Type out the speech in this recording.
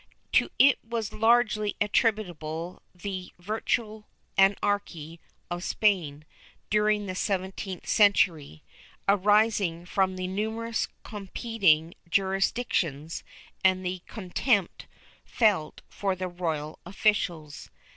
To it was largely attributable the virtual anarchy of Spain, during the seventeenth century, arising from the numerous competing jurisdictions and the contempt felt for the royal officials.